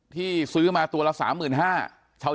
ที่ซื้อมาตัวละ๓๕๐๐บาท